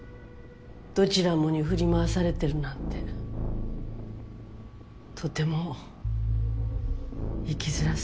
どちらもに振りまわされてるなんてとても生きづらそうね。